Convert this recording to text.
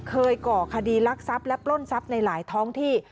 ก่อคดีรักทรัพย์และปล้นทรัพย์ในหลายท้องที่